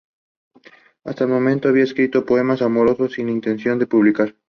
Hasta el momento, había escrito poemas amorosos, sin intención de publicar.